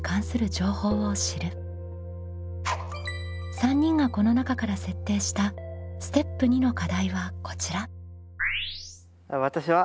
３人がこの中から設定したステップ２の課題はこちら。